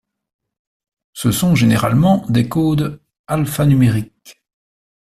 Ce sont généralement des codes alphanumériques.